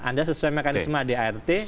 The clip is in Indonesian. anda sesuai mekanisme dart